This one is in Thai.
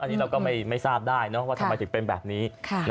อันนี้เราก็ไม่ทราบได้ว่าทำไมถึงเป็นแบบนี้